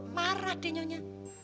marah deh nyonya